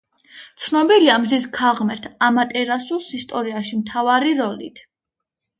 ცნობილია მზის ქალღმერთ ამატერასუს ისტორიაში მთავარი როლით.